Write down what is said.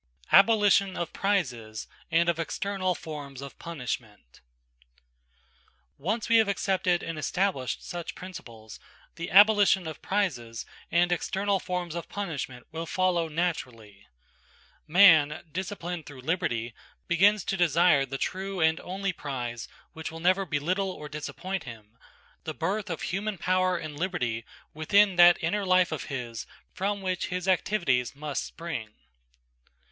ABOLITION OF PRIZES AND OF EXTERNAL FORMS OF PUNISHMENT Once we have accepted and established such principles, the abolition of prizes and external forms of punishment will follow naturally. Man, disciplined through liberty, begins to desire the true and only prize which will never belittle or disappoint him,–the birth of human power and liberty within that inner life of his from which his activities must spring.